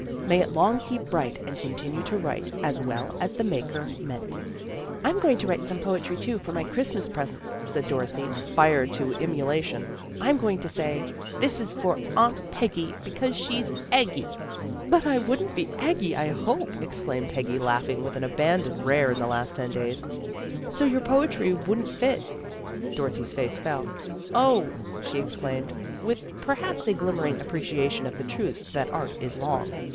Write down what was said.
May it long keep bright and continue to write, As well as the maker meant." " I'm going to write some poetry, too, for my Christmas presents," said Dorothy, fired to emulation. " I'm going to say, " This is for Aunt Peggy Because she's eggy." " But I wouldn't be eggy, I hope," exclaimed Peggy, laughing with an abandon rare in the last ten days. " So your poetry wouldn't fit." Dorothy's face fell. "Oh!" she exclaimed, with perhaps a glimmering appreciation of the truth that art is long.